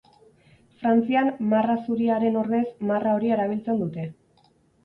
Frantzian marra zuriaren ordez marra horia erabiltzen dute.